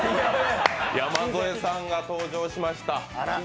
山添さんが登場しました。